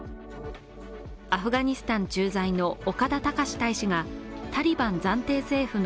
アフガニスタン駐在の岡田隆大使がタリバン暫定政府の